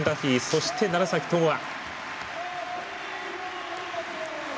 そして、楢崎智亜。